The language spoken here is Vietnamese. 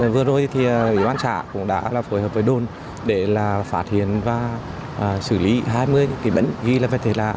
vừa rồi thì bộ bán xã cũng đã phối hợp với đôn để phát hiện và xử lý hai mươi vật thể lạ